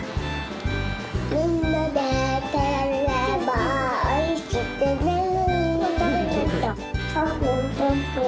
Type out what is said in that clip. みんなでたべればおいしくなる。